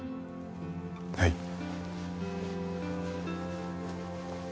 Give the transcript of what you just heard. はい。